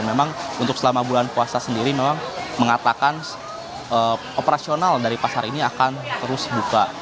memang untuk selama bulan puasa sendiri memang mengatakan operasional dari pasar ini akan terus buka